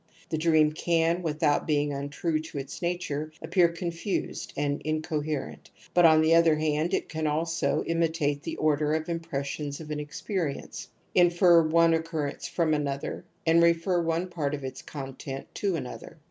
TheUrefui^ can, without being untrue to its nature, appear co^Iifilsed sjHl incoherent ; but on the other hand it can "also vimitate the ^ order of impressions of an experience, infer one v !^ occiurrence from another, and refer one part of its contents to another.